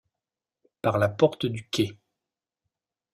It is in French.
Par la porte du quai.